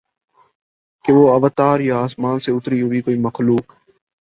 کہ وہ اوتار یا آسمان سے اتری ہوئی کوئی مخلوق